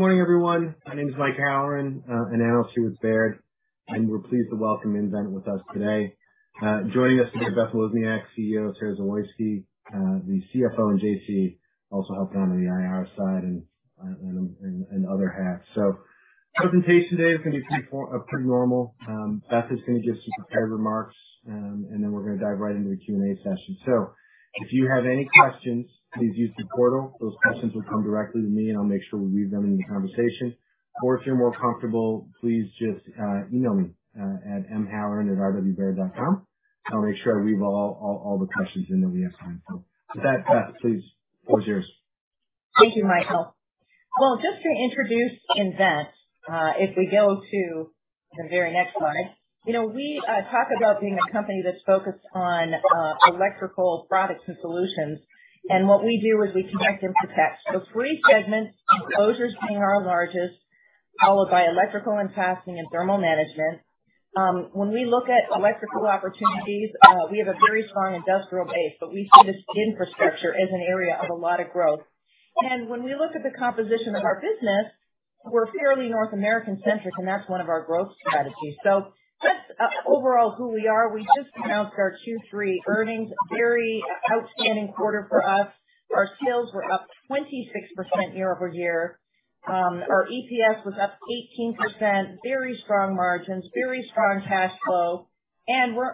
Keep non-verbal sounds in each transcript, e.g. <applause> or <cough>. Good morning, everyone. My name is Mike Halloran, an analyst here with Baird, and we're pleased to welcome nVent with us today. Joining us today, Beth Wozniak, CEO, Sara Zawoyski, the CFO, and JC also helping on the IR side and other hats. Presentation today is gonna be pretty normal. Beth is gonna give some prepared remarks, and then we're gonna dive right into the Q&A session. If you have any questions, please use the portal. Those questions will come directly to me, and I'll make sure we weave them into the conversation. Or if you're more comfortable, please just email me at mhalloran@rwbaird.com. I'll make sure I weave all the questions in that we have time. With that, Beth, please, the floor is yours. Thank you, Mike. Well, just to introduce nVent, if we go to the very next slide. You know, we talk about being a company that's focused on electrical products and solutions, and what we do is we connect and protect. Three segments, Enclosures being our largest, followed by Electrical and Fastening and Thermal Management. When we look at electrical opportunities, we have a very strong industrial base, but we see this infrastructure as an area of a lot of growth. When we look at the composition of our business, we're fairly North American-centric, and that's one of our growth strategies. That's overall who we are. We just announced our Q3 earnings. Very outstanding quarter for us. Our sales were up 26% year-over-year. Our EPS was up 18%. Very strong margins, very strong cash flow.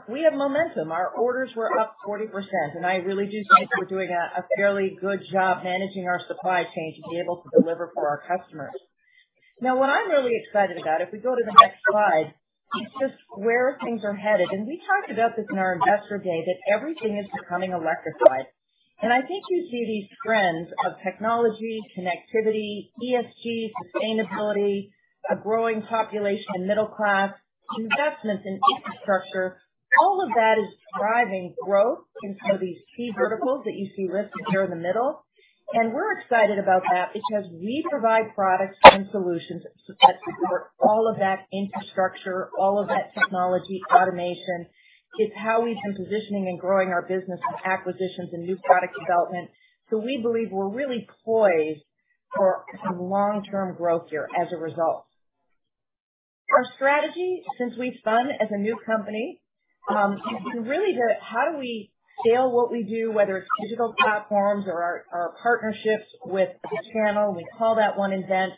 We have momentum. Our orders were up 40%, and I really do think we're doing a fairly good job managing our supply chain to be able to deliver for our customers. Now, what I'm really excited about, if we go to the next slide, is just where things are headed. We talked about this in our Investor Day, that everything is becoming electrified. I think you see these trends of technology, connectivity, ESG, sustainability, a growing population, middle class, investments in infrastructure, all of that is driving growth into these key verticals that you see listed here in the middle. We're excited about that because we provide products and solutions that support all of that infrastructure, all of that technology, automation. It's how we've been positioning and growing our business with acquisitions and new product development. We believe we're really poised for some long-term growth here as a result. Our strategy since we spun off as a new company has been really the how do we scale what we do, whether it's digital platforms or our partnerships with channel, we call that One nVent.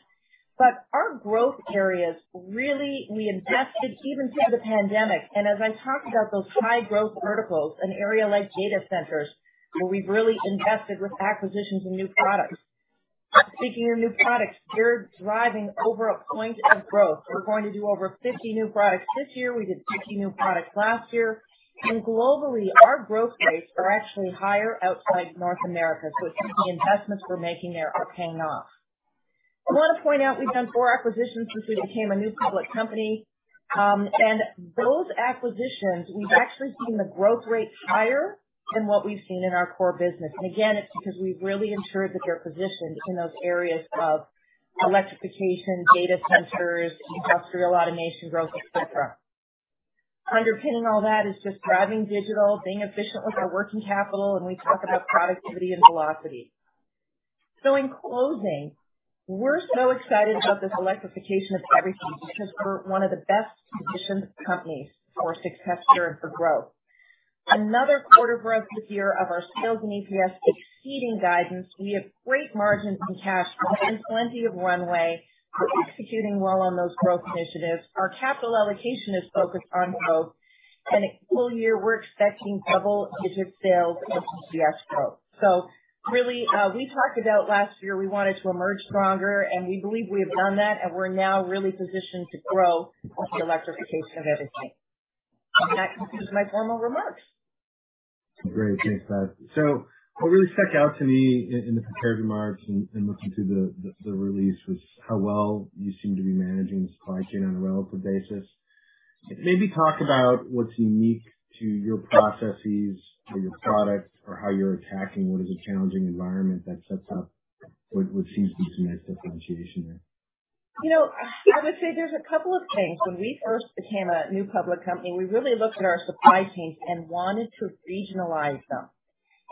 Our growth areas, really, we invested even through the pandemic, and as I talked about those high growth verticals, an area like data centers, where we've really invested with acquisitions and new products. Speaking of new products, they're driving over a point of growth. We're going to do over 50 new products this year. We did 50 new products last year. Globally, our growth rates are actually higher outside North America. I think the investments we're making there are paying off. I want to point out we've done four acquisitions since we became a new public company. Those acquisitions, we've actually seen the growth rates higher than what we've seen in our core business. Again, it's because we've really ensured that they're positioned in those areas of electrification, data centers, industrial automation growth, et cetera. Underpinning all that is just driving digital, being efficient with our working capital, and we talk about productivity and velocity. In closing, we're so excited about this electrification of everything because we're one of the best positioned companies for success here and for growth. Another quarter growth this year of our sales and EPS exceeding guidance. We have great margins and cash and plenty of runway. We're executing well on those growth initiatives. Our capital allocation is focused on growth. Full year, we're expecting double-digit sales and EPS growth. Really, we talked about last year, we wanted to emerge stronger, and we believe we have done that, and we're now really positioned to grow with the electrification of everything. That concludes my formal remarks. Great. Thanks, Beth. What really stuck out to me in the prepared remarks and looking at the release was how well you seem to be managing the supply chain on a relative basis. Maybe talk about what's unique to your processes or your products or how you're attacking what is a challenging environment that sets up what seems to be some nice differentiation there. You know, I would say there's a couple of things. When we first became a new public company, we really looked at our supply chains and wanted to regionalize them.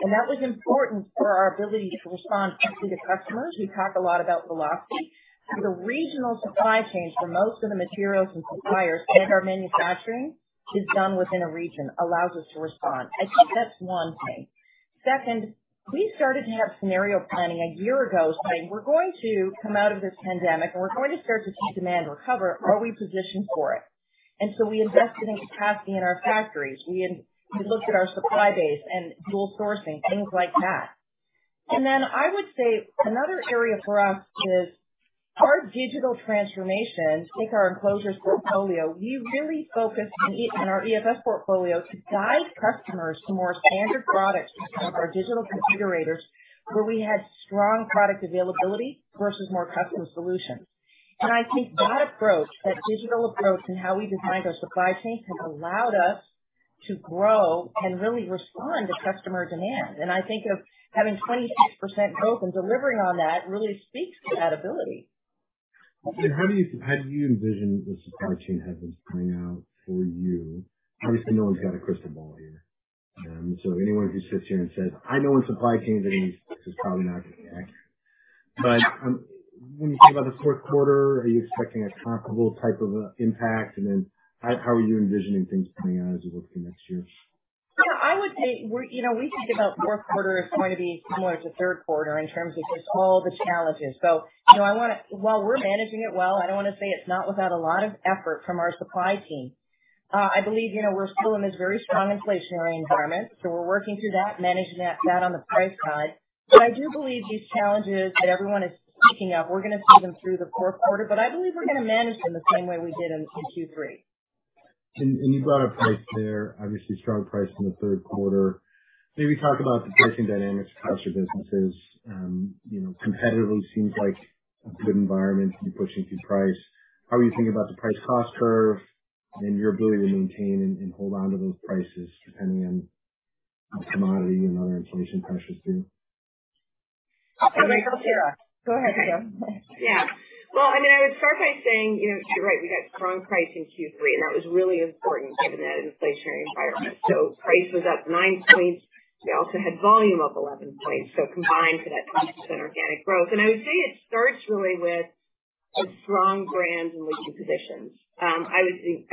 That was important for our ability to respond quickly to customers. We talk a lot about velocity. The regional supply chains for most of the materials and suppliers and our manufacturing is done within a region, allows us to respond. I think that's one thing. Second, we started to have scenario planning a year ago, saying, "We're going to come out of this pandemic, and we're going to start to see demand recover. Are we positioned for it?" We invested in capacity in our factories. We looked at our supply base and dual sourcing, things like that. Then I would say another area for us is our digital transformation. Take our Enclosures portfolio. We really focused in our EFS portfolio to guide customers to more standard products through some of our digital configurators where we had strong product availability versus more custom solutions. I think that approach, that digital approach and how we designed our supply chains, has allowed us to grow and really respond to customer demand. I think that having 28% growth and delivering on that really speaks to that ability. How do you envision the supply chain headwinds playing out for you? Obviously, no one's got a crystal ball here. So anyone who sits here and says, "I know when supply chain is," is probably not going to be accurate. When you think about the fourth quarter, are you expecting a comparable type of impact? Then how are you envisioning things playing out as we look to next year? Yeah, I would say we're, you know, we think about fourth quarter as going to be similar to third quarter in terms of just all the challenges. You know, while we're managing it well, I don't wanna say it's not without a lot of effort from our supply team. I believe, you know, we're still in this very strong inflationary environment, so we're working through that, managing that on the price side. I do believe these challenges that everyone is speaking of, we're gonna see them through the fourth quarter, but I believe we're gonna manage them the same way we did in Q3. You brought up price there, obviously strong price in the third quarter. Maybe talk about the pricing dynamics across your businesses. You know, competitively seems like a good environment to be pushing through price. How are you thinking about the price cost curve and your ability to maintain and hold on to those prices depending on commodity and other inflation pressures too? Go ahead, Sara. Yeah. Well, I mean, I would start by saying, you know, you're right, we got strong price in Q3, and that was really important given that inflationary environment. Price was up 9 points. We also had volume up 11 points, so combined to that 10% organic growth. I would say it starts really with strong brands and leadership positions. I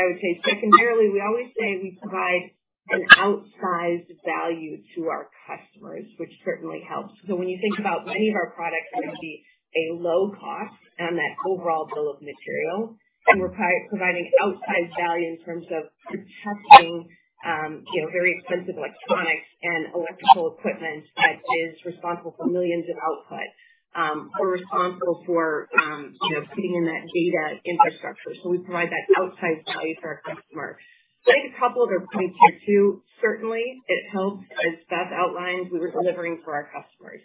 would say secondarily, we always say we provide an outsized value to our customers, which certainly helps. When you think about many of our products are gonna be a low cost on that overall bill of material, and we're providing outsized value in terms of protecting, you know, very expensive electronics and electrical equipment that is responsible for millions in output. We're responsible for, you know, putting in that data infrastructure. We provide that outsized value for our customers. I think a couple other points here, too. Certainly it helps, as Beth outlined, we were delivering for our customers.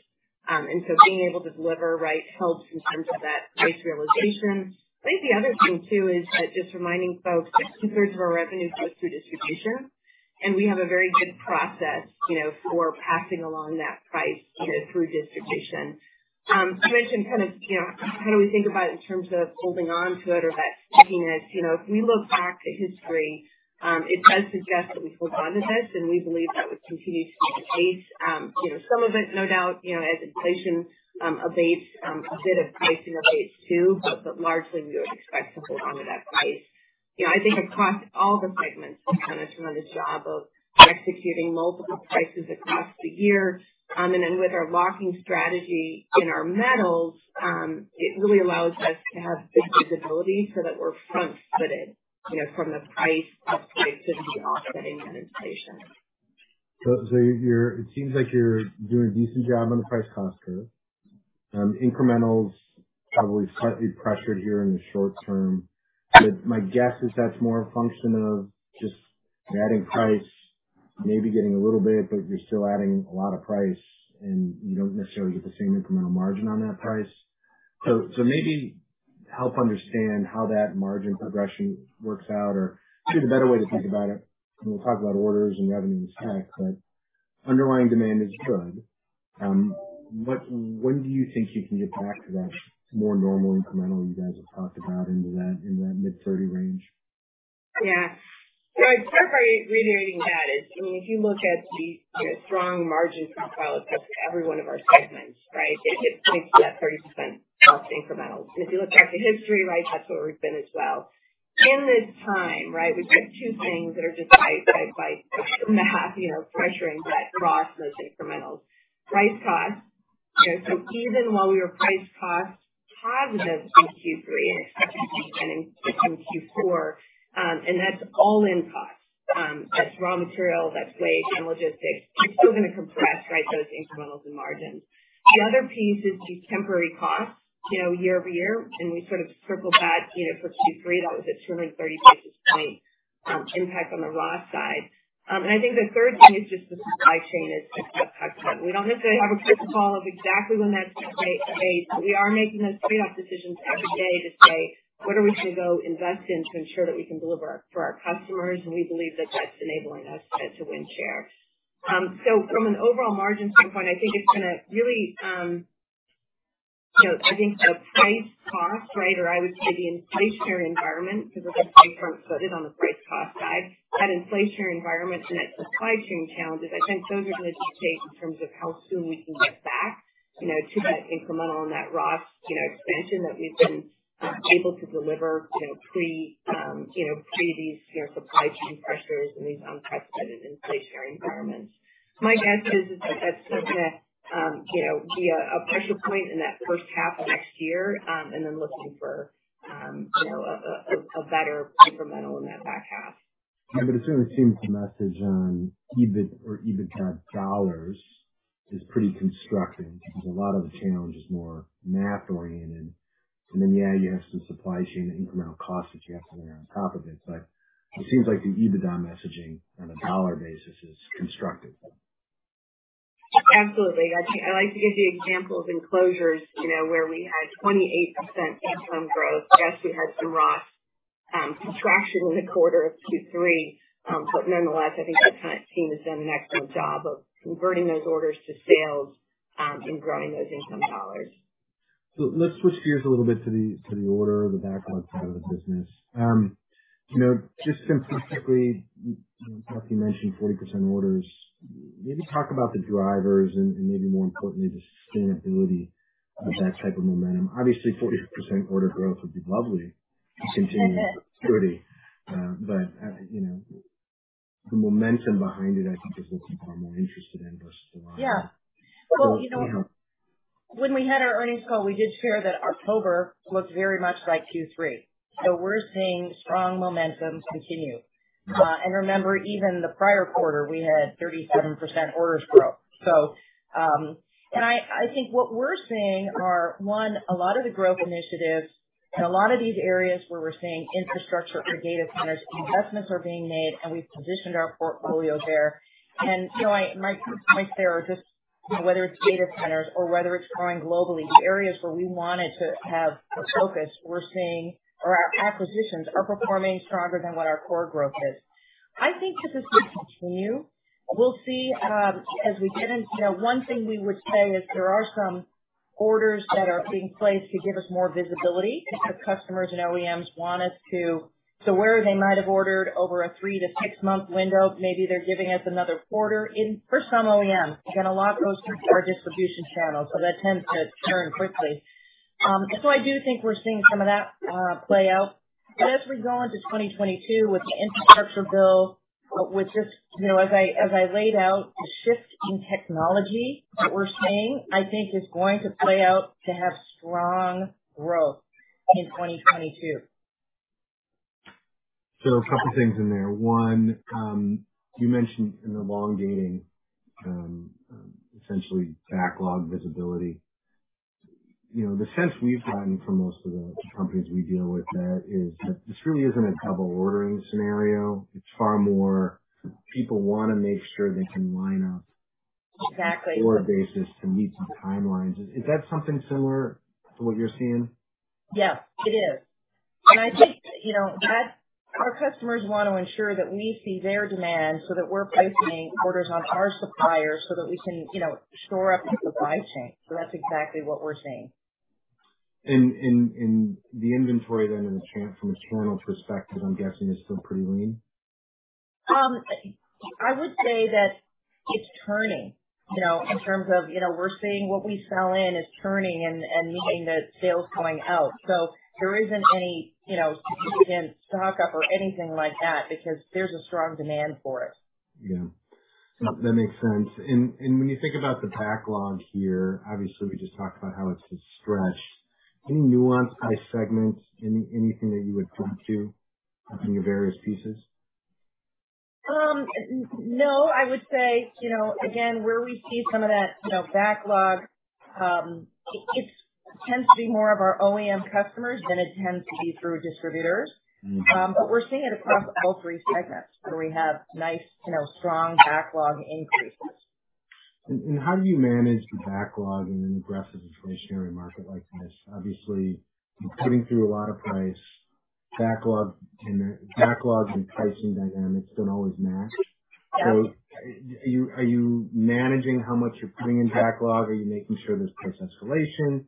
Being able to deliver, right, helps in terms of that price realization. I think the other thing too is just reminding folks that two-thirds of our revenue goes through distribution, and we have a very good process, you know, for passing along that price, you know, through distribution. You mentioned kind of, you know, how do we think about it in terms of holding on to it or that stickiness. You know, if we look back at history, it does suggest that we hold on to this, and we believe that would continue to be the case. You know, some of it, no doubt, you know, as inflation abates, a bit of pricing abates, too. Largely, we would expect to hold on to that price. You know, I think across all the segments, we've done a tremendous job of executing multiple prices across the year, with our locking strategy in our metals, it really allows us to have good visibility so that we're front-footed, you know, from the price up to the offsetting that inflation. It seems like you're doing a decent job on the price cost curve. Incremental's probably slightly pressured here in the short term. My guess is that's more a function of just adding price, maybe getting a little bit, but you're still adding a lot of price, and you don't necessarily get the same incremental margin on that price. Maybe help understand how that margin progression works out. Just a better way to think about it, and we'll talk about orders and revenue in a sec, but underlying demand is good. When do you think you can get back to that more normal incremental you guys have talked about into that, in that mid thirty range? Yeah. I'd start by reiterating that is, I mean, if you look at the, you know, strong margin profile across every one of our segments, right? It takes to that 30% cost incrementals. If you look back at history, right, that's where we've been as well. In this time, right, we've got two things that are just side by side, in a half, you know, pressuring that ROS, those incrementals. Price costs. You know, even while we were price cost positive in Q3 and expecting to be again in Q4, and that's all in costs, that's raw material, that's wages and logistics. It's still gonna compress, right, those incrementals and margins. The other piece is these temporary costs, you know, year-over-year, and we sort of circled back. You know, for Q3 that was a 230 basis point impact on the raw side. I think the third thing is just the supply chain is unprecedented. We don't necessarily have a crystal ball of exactly when that's going to abate, but we are making those trade-off decisions every day to say, "What are we gonna go invest in to ensure that we can deliver for our customers?" We believe that that's enabling us to win share. From an overall margin standpoint, I think it's gonna really, you know, I think the price cost, right? I would say the inflationary environment, because again, we're front-footed on the price cost side, that inflationary environment and that supply chain challenges, I think those are gonna dictate in terms of how soon we can get back, you know, to that incremental and that ROS, you know, expansion that we've been able to deliver, you know, pre these, you know, supply chain pressures and these unprecedented inflationary environments. My guess is that that's gonna, you know, be a pressure point in that first half of next year, and then looking for, you know, a better incremental in that back half. Yeah. It certainly seems the message on EBIT or EBITDA dollars is pretty constructive because a lot of the challenge is more math oriented. Then, yeah, you have some supply chain and incremental costs that you have to layer on top of it. It seems like the EBITDA messaging on a dollar basis is constructive. Absolutely. I like to give the example of Enclosures, you know, where we had 28% income growth. Yes, we had some raw contraction in the quarter of Q3. But nonetheless, I think the Enclosures team has done an excellent job of converting those orders to sales and growing those income dollars. Let's switch gears a little bit to the order, the backlog side of the business. You know, just specifically, you know, <audio distortion> mentioned 40% orders. Maybe talk about the drivers and maybe more importantly, the sustainability of that type of momentum. Obviously, 40% order growth would be lovely to continue with security. You know, the momentum behind it, I think, is what people are more interested in versus the Yeah. Well, you know, when we had our earnings call, we did share that October looked very much like Q3. We're seeing strong momentum continue. Remember, even the prior quarter, we had 37% orders growth. I think what we're seeing are, one, a lot of the growth initiatives and a lot of these areas where we're seeing infrastructure for data centers, investments are being made, and we've positioned our portfolio there. My points there are just, you know, whether it's data centers or whether it's growing globally, areas where we wanted to have a focus, we're seeing or our acquisitions are performing stronger than what our core growth is. I think that this will continue. We'll see, as we get in. You know, one thing we would say is there are some orders that are being placed to give us more visibility because customers and OEMs want us to. Where they might have ordered over a 3- to 6-month window, maybe they're giving us another quarter in, for some OEMs, again, a lot of those through our distribution channel. That tends to turn quickly. I do think we're seeing some of that play out. As we go into 2022 with the infrastructure bill, with this, you know, as I laid out, the shift in technology that we're seeing, I think is going to play out to have strong growth in 2022. A couple things in there. One, you mentioned in the lead time, essentially backlog visibility. You know, the sense we've gotten from most of the companies we deal with that is that this really isn't a double ordering scenario. It's far more people wanna make sure they can line up- Exactly. order basis to meet some timelines. Is that something similar to what you're seeing? Yes, it is. I think, you know, that our customers want to ensure that we see their demand so that we're placing orders on our suppliers so that we can, you know, shore up the supply chain. That's exactly what we're seeing. The inventory then from external perspective, I'm guessing is still pretty lean. I would say that it's turning, you know, in terms of, you know, we're seeing what we sell in is turning and meeting the sales going out. So there isn't any, you know, significant stock-up or anything like that because there's a strong demand for it. Yeah. That makes sense. When you think about the backlog here, obviously, we just talked about how it's been stretched. Any nuance by segment, anything that you would point to in your various pieces? No, I would say, you know, again, where we see some of that, you know, backlog, it tends to be more of our OEM customers than it tends to be through distributors. Mm-hmm. We're seeing it across all three segments, where we have nice, you know, strong backlog increases. How do you manage the backlog in an aggressive inflationary market like this? Obviously, you're putting through a lot of price. Backlog and pricing dynamics don't always match. Are you managing how much you're putting in backlog? Are you making sure there's price escalation?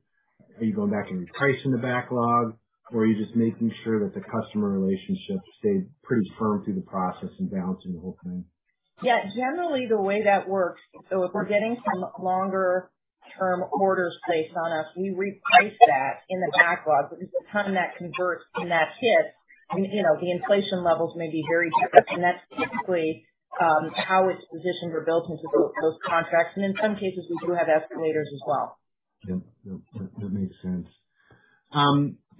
Are you going back and repricing the backlog? Or are you just making sure that the customer relationships stay pretty firm through the process and balancing the whole thing? Yeah. Generally, the way that works, so if we're getting some longer-term orders placed on us, we reprice that in the backlog because by the time that converts and that hits, you know, the inflation levels may be very different. That's typically how it's positioned or built into those contracts. In some cases, we do have escalators as well. Yeah. No, that makes sense.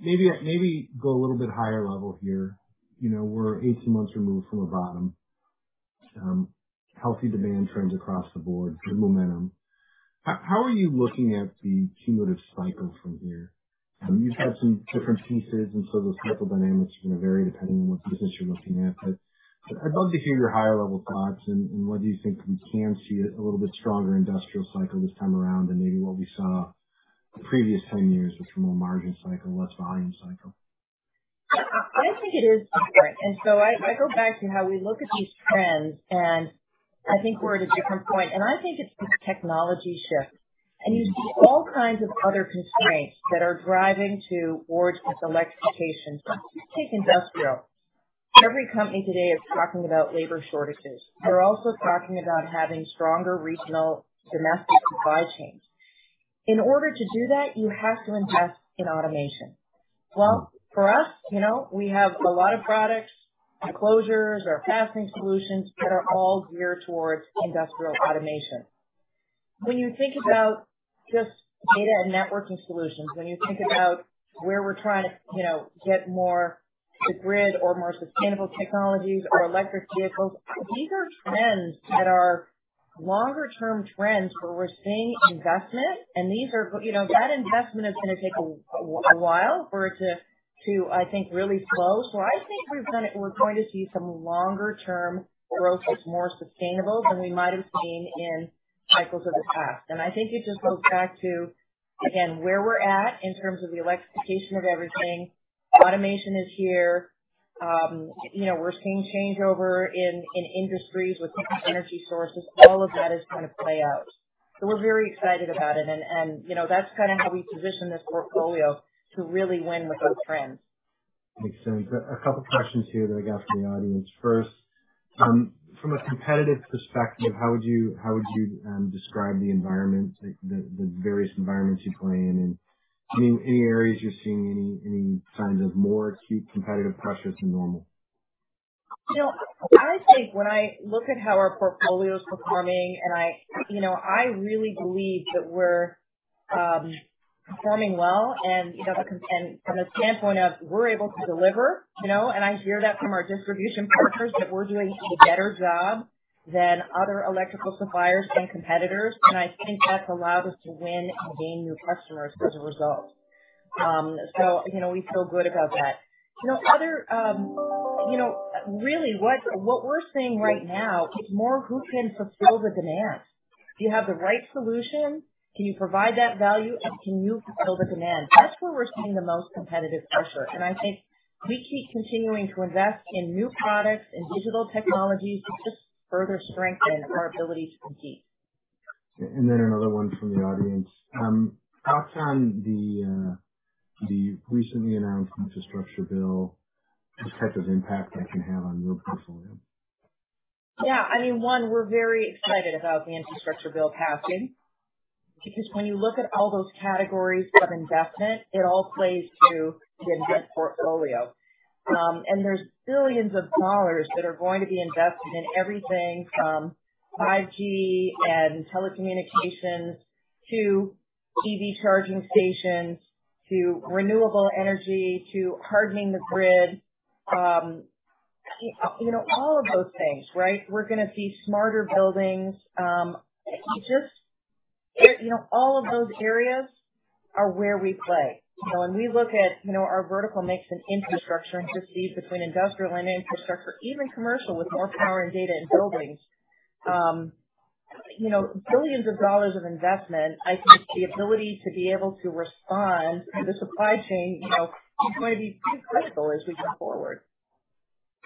Maybe go a little bit higher level here. You know, we're 18 months removed from a bottom. Healthy demand trends across the board, good momentum. How are you looking at the cumulative cycle from here? You've had some different pieces, and so those cycle dynamics are going to vary depending on what business you're looking at. But I'd love to hear your higher-level thoughts and whether you think we can see a little bit stronger industrial cycle this time around than maybe what we saw the previous 10 years, which were more margin cycle, less volume cycle. I think it is different. I go back to how we look at these trends, and I think we're at a different point, and I think it's the technology shift. You see all kinds of other constraints that are driving towards this electrification. Take industrial. Every company today is talking about labor shortages. They're also talking about having stronger regional domestic supply chains. In order to do that, you have to invest in automation. Well, for us, you know, we have a lot of products, Enclosures or Fastening Solutions that are all geared towards industrial automation. When you think about just data and networking solutions, when you think about where we're trying to, you know, get more to grid or more sustainable technologies or electric vehicles, these are trends that are longer-term trends where we're seeing investment. These are you know, that investment is going to take a while for it to, I think, really flow. I think we're going to see some longer-term growth that's more sustainable than we might have seen in cycles of the past. I think it just goes back to, again, where we're at in terms of the electrification of everything. Automation is here. You know, we're seeing changeover in industries with different energy sources. All of that is gonna play out. We're very excited about it. You know, that's kinda how we position this portfolio to really win with those trends. Makes sense. A couple questions here that I got from the audience. First, from a competitive perspective, how would you describe the environment, like the various environments you play in? Any areas you're seeing any signs of more acute competitive pressure than normal? You know, I think when I look at how our portfolio is performing and I you know, I really believe that we're performing well and, you know, from the standpoint of we're able to deliver, you know. I hear that from our distribution partners, that we're doing a better job than other electrical suppliers and competitors. I think that's allowed us to win and gain new customers as a result. You know, we feel good about that. You know, really what we're seeing right now is more who can fulfill the demand. Do you have the right solution? Can you provide that value? And can you fulfill the demand? That's where we're seeing the most competitive pressure. I think we keep continuing to invest in new products and digital technologies to just further strengthen our ability to compete. Another one from the audience. Thoughts on the recently announced infrastructure bill, the type of impact that can have on your portfolio. Yeah. I mean, one, we're very excited about the infrastructure bill passing. Because when you look at all those categories of investment, it all plays to the nVent portfolio. And there's $ billions that are going to be invested in everything from 5G and telecommunications to EV charging stations to renewable energy to hardening the grid. You know, all of those things, right? We're gonna see smarter buildings features. You know, all of those areas are where we play. You know, when we look at, you know, our vertical mix in infrastructure and just see between industrial and infrastructure, even commercial with more power and data in buildings, you know, $ billions of investment, I think the ability to be able to respond to the supply chain, you know, is going to be critical as we go forward.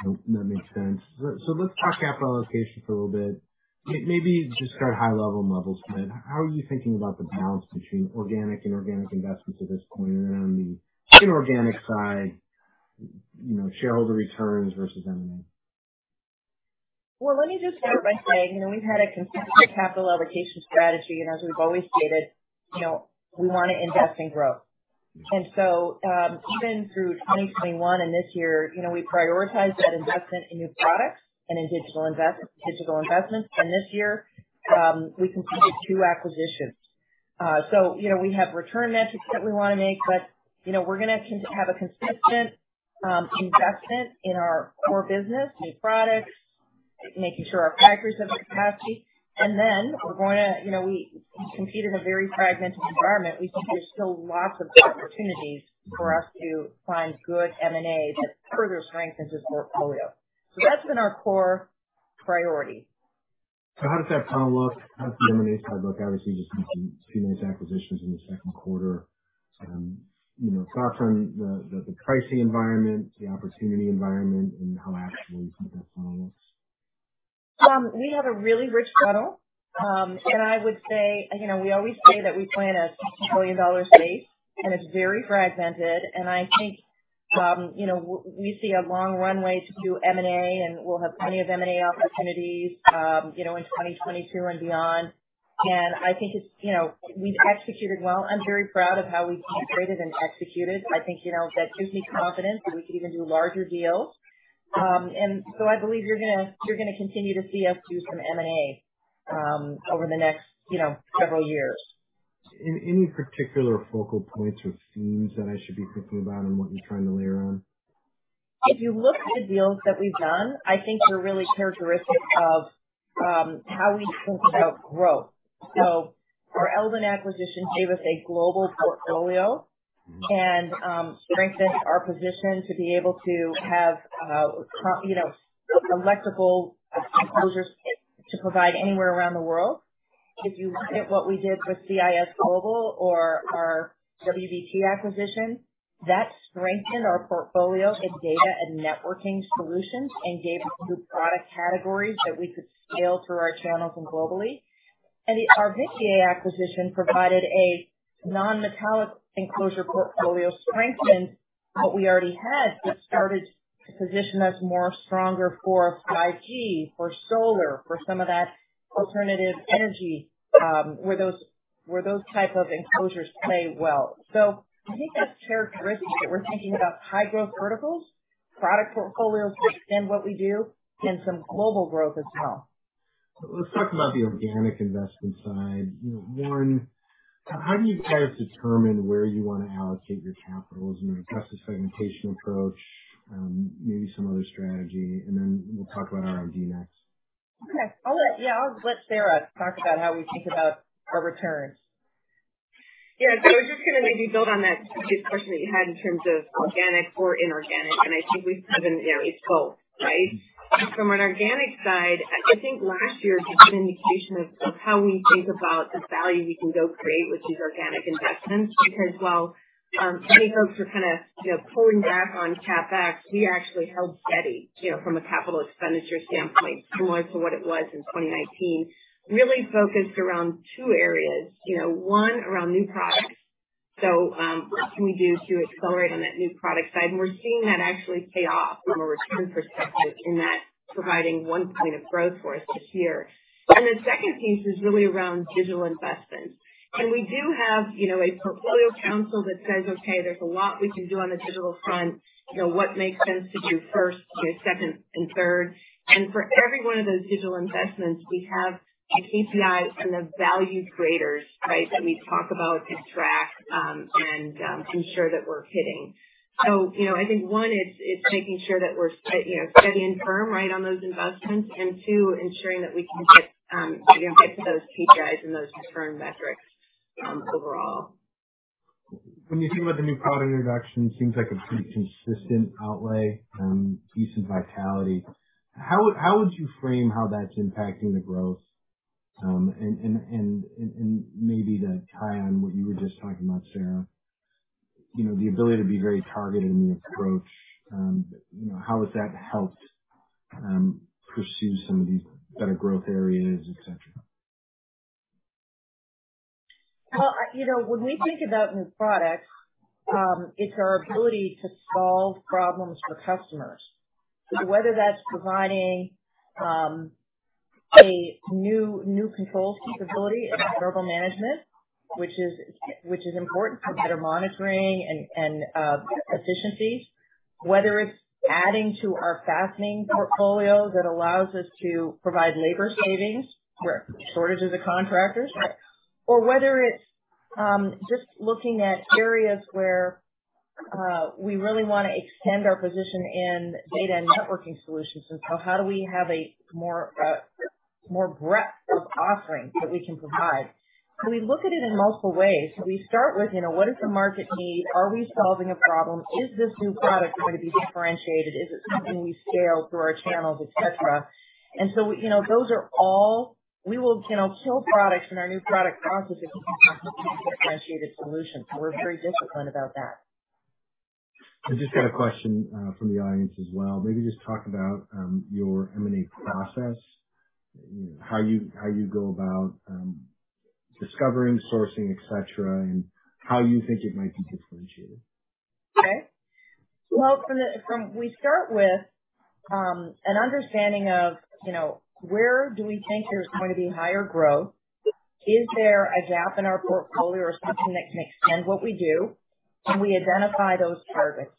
That makes sense. Let's talk capital allocation for a little bit. Maybe just start high-level model,[Beth]. How are you thinking about the balance between organic, inorganic investments at this point? On the inorganic side, you know, shareholder returns versus M&A. Well, let me just start by saying, you know, we've had a consistent capital allocation strategy. As we've always stated, you know, we wanna invest in growth. Even through 2021 and this year, you know, we prioritize that investment in new products and in digital investments. This year, we completed two acquisitions. You know, we have return metrics that we wanna make, but, you know, we're gonna have a consistent investment in our core business, new products, making sure our factories have the capacity. Then, you know, we compete in a very fragmented environment. We think there's still lots of opportunities for us to find good M&A that further strengthens this portfolio. That's been our core priority. How does that funnel look? How does the M&A side look? Obviously, just making two nice acquisitions in the second quarter. You know, thoughts on the pricing environment, the opportunity environment, and how actually you think that funnel looks? We have a really rich funnel. I would say, you know, we always say that we play in a trillion-dollar space, and it's very fragmented. I think, you know, we see a long runway to do M&A, and we'll have plenty of M&A opportunities, you know, in 2022 and beyond. I think it's, you know, we've executed well. I'm very proud of how we've integrated and executed. I think, you know, that gives me confidence that we could even do larger deals. I believe you're gonna continue to see us do some M&A, over the next, you know, several years. Any particular focal points or themes that I should be thinking about on what you're trying to layer on? If you look at the deals that we've done, I think they're really characteristic of how we think about growth. Our Eldon acquisition gave us a global portfolio and strengthened our position to be able to have you know, electrical enclosures to provide anywhere around the world. If you look at what we did with CIS Global or our WBT acquisition, that strengthened our portfolio in data and networking solutions and gave us new product categories that we could scale through our channels and globally. The Vynckier acquisition provided a non-metallic enclosure portfolio, strengthened what we already had, but started to position us more stronger for 5G, for solar, for some of that alternative energy, where those type of enclosures play well. I think that's characteristic, that we're thinking about high growth verticals, product portfolios to extend what we do and some global growth as well. Let's talk about the organic investment side. You know, one, how do you guys determine where you wanna allocate your capital? Is there just a segmentation approach? Maybe some other strategy. We'll talk about [RIG] next. I'll let Sara talk about how we think about our returns. Yeah. I was just gonna maybe build on that, this question that you had in terms of organic or inorganic. I think we've said that, you know, it's both, right? From an organic side, I think last year gave good indication of how we think about the value we can go create with these organic investments. Because while Many folks are kind of, you know, pulling back on CapEx. We actually held steady, you know, from a capital expenditure standpoint similar to what it was in 2019. Really focused around two areas, you know, one around new products. What can we do to accelerate on that new product side? We're seeing that actually pay off from a return perspective in that providing one point of growth for us this year. The second piece is really around digital investments. We do have, you know, a portfolio council that says, okay, there's a lot we can do on the digital front. You know, what makes sense to do first, you know, second and third. For every one of those digital investments, we have the KPIs and the value creators, right, that we talk about and track, and ensure that we're hitting. You know, I think one is making sure that we're you know, steady and firm right on those investments, and two, ensuring that we can get, you know, get to those KPIs and those firm metrics, overall. When you think about the new product introduction, seems like a pretty consistent outlay, decent vitality. How would you frame how that's impacting the growth? And maybe to tie on what you were just talking about, Sara, you know, the ability to be very targeted in the approach, you know, how has that helped pursue some of these better growth areas, et cetera? Well, you know, when we think about new products, it's our ability to solve problems for customers, whether that's providing a new controls capability around global management, which is important for better monitoring and efficiencies, whether it's adding to our fastening portfolio that allows us to provide labor savings where shortages of contractors, or whether it's just looking at areas where we really wanna extend our position in data and networking solutions. How do we have a more breadth of offerings that we can provide? We look at it in multiple ways. We start with, you know, what is the market need? Are we solving a problem? Is this new product going to be differentiated? Is it something we scale through our channels, et cetera? You know, those are all. We will, you know, kill products in our new product process if we can't find a differentiated solution. We're very disciplined about that. I just got a question from the audience as well. Maybe just talk about your M&A process. You know, how you go about discovering, sourcing, et cetera, and how you think it might be differentiated. Okay. Well, we start with an understanding of, you know, where do we think there's going to be higher growth? Is there a gap in our portfolio or something that can extend what we do? We identify those targets.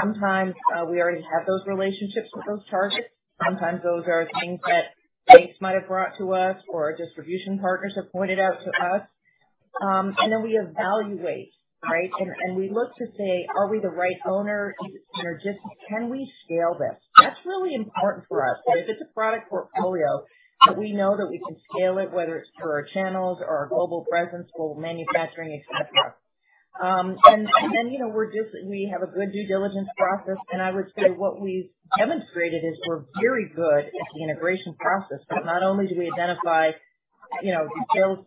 Sometimes we already have those relationships with those targets. Sometimes those are things that banks might have brought to us or distribution partners have pointed out to us. And then we evaluate, right? We look to say, are we the right owner? Is it synergistic? Can we scale this? That's really important for us, right? If it's a product portfolio that we know that we can scale it, whether it's through our channels or our global presence, global manufacturing, et cetera. And then, you know, we have a good due diligence process. I would say what we've demonstrated is we're very good at the integration process. Not only do we identify, you know, the sales,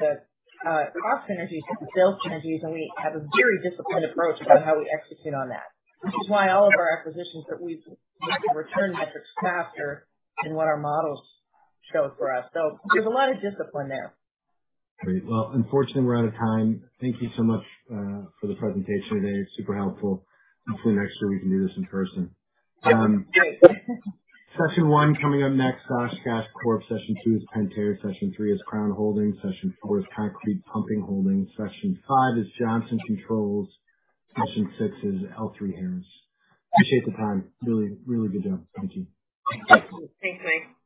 the cost synergies and the sales synergies, and we have a very disciplined approach about how we execute on that. Which is why all of our acquisitions that we've seen return metrics faster than what our models show for us. There's a lot of discipline there. Great. Well, unfortunately, we're out of time. Thank you so much for the presentation today. Super helpful. Hopefully next year we can do this in person. Session one coming up next, Oshkosh Corporation. Session two is Pentair. Session three is Crown Holdings. Session four is Concrete Pumping Holdings. Session five is Johnson Controls. Session six is L3Harris. Appreciate the time. Really, really good job. Thank you. Thanks. Thanks, Mike.